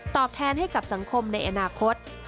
แทนให้กับสังคมในอนาคต